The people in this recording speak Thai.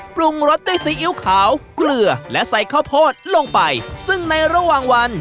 ปรุงรสด้วยซีอิ๊วขาวเกลือและใส่ข้าวโพดลงไปซึ่งในระหว่างวัน